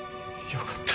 よかった。